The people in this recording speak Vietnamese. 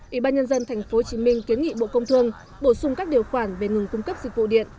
ủy ban nhân dân tp hcm kiến nghị bộ công thương bổ sung các điều khoản về ngừng cung cấp dịch vụ điện